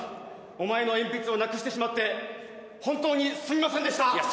お前の鉛筆をなくしてしまって本当にすみませんでしたいや